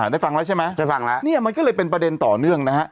ได้ฟังแล้วใช่ไหมได้ฟังแล้ว